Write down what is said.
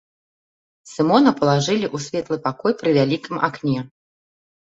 Сымона палажылі ў светлы пакой пры вялікім акне.